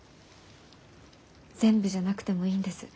全部じゃなくてもいいんです。